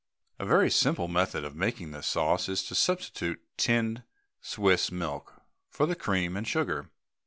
A very simple method of making this sauce is to substitute tinned Swiss milk for the cream and sugar.